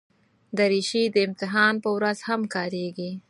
دریشي د امتحان پر ورځ هم کارېږي.